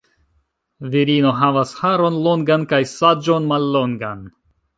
Virino havas haron longan kaj saĝon mallongan.